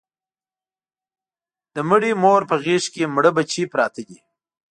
د مړې مور په غېږ کې مړه بچي پراته دي